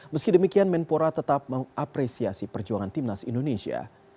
meski demikian menpora tetap mengapresiasi perjuangan timnas indonesia